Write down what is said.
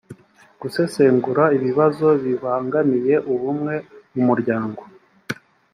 gusesengura ibibazo bibangamiye ubumwe mu muryango